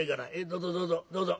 どうぞどうぞ」。